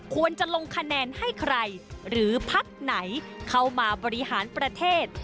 ควรจะลงคะแนนให้ใครหรือพักไหนเข้ามาบริหารประเทศ